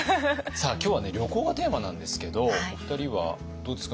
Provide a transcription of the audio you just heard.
今日は旅行がテーマなんですけどお二人はどうですか？